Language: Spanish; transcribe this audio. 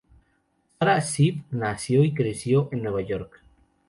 Sara Ziff nació y creció en Nueva York.